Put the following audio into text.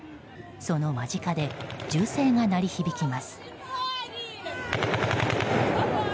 その間近で銃声が鳴り響きます。